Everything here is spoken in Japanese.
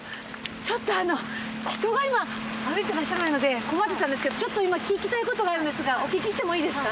ちょっと人が今歩いてらっしゃらないので困ってたんですけどちょっと今聞きたいことがあるんですがお聞きしてもいいですか？